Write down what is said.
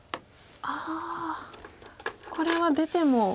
ああこれは出ても。